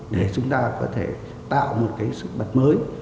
để chúng ta có thể tạo một cái sức bật mới